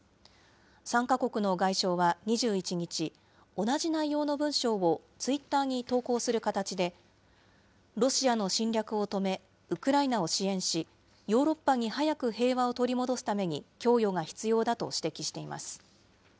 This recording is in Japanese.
３か国の外相は２１日、同じ内容の文章をツイッターに投稿する形で、ロシアの侵略を止め、ウクライナを支援し、ヨーロッパに早く平和を取り戻すために供与が必要だと指摘しています。